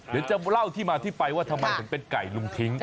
เดี๋ยวจะเล่าที่มาที่ไปว่าทำไมถึงเป็นไก่ลุงทิ้ง